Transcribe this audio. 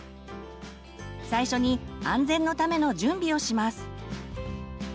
最初に安全のための準備をします。